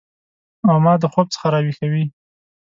او ما د خوب څخه راویښوي